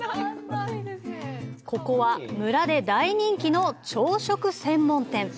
ここは村で大人気の朝食専門店。